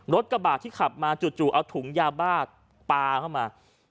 กระบาดที่ขับมาจู่เอาถุงยาบ้าปลาเข้ามา